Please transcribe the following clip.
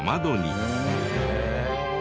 へえ。